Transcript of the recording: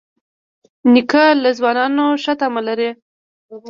نیکه له ځوانانو ښه تمه لري.